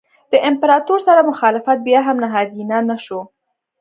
د امپراتور سره مخالفت بیا هم نهادینه نه شو.